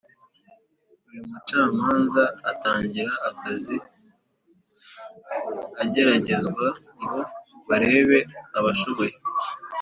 Buri mucamanza atangira akazi ageragezwa ngo barebe abashoboye